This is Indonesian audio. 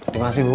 terima kasih bu